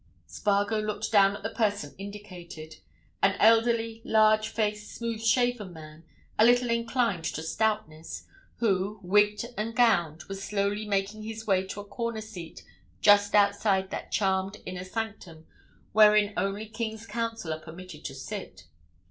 Spargo looked down at the person indicated: an elderly, large faced, smooth shaven man, a little inclined to stoutness, who, wigged and gowned, was slowly making his way to a corner seat just outside that charmed inner sanctum wherein only King's Counsel are permitted to sit.